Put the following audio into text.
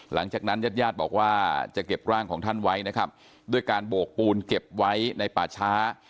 หลังจากนั้นญาติญาติบอกว่าจะเก็บร่างของท่านไว้นะครับด้วยการโบกปูนเก็บไว้ในป่าช้า